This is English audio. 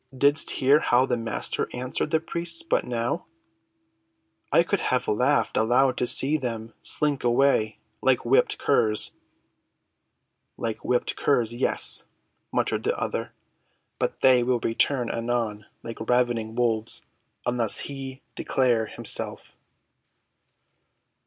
"Didst hear how the Master answered the priests but now? I could have laughed aloud to see them slink away like whipped curs." "Like whipped curs—yes," muttered the other. "But they will return anon like ravening wolves, unless he declare himself.